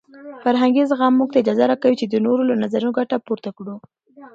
فرهنګي زغم موږ ته اجازه راکوي چې د نورو له نظرونو ګټه پورته کړو.